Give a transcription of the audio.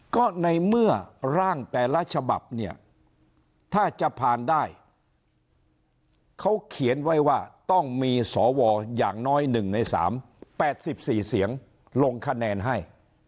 ก็ในเมื่อร่างแต่ละฉบับเนี่ยถ้าจะผ่านได้เขาเขียนไว้ว่าต้องมีสวอย่างน้อย๑ใน๓๘๔เสียงลงคะแนนให้